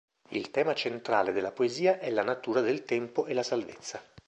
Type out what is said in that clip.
Il tema centrale della poesia è la natura del tempo e la salvezza.